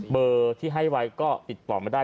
เบอร์ที่ให้ไว้ก็ติดต่อไม่ได้